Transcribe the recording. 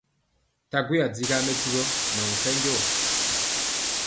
Nta gweya digaa mɛdivɔ nɛ ɔ nkɛnjɔɔ.